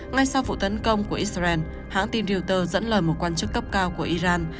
ngay sau vụ tấn công của israel hãng tin reuters dẫn lời một quan chức cấp cao của iran